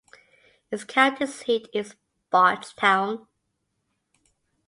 Its county seat is Bardstown.